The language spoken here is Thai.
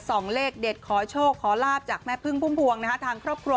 เลขเด็ดขอโชคขอลาบจากแม่พึ่งพุ่มพวงนะฮะทางครอบครัว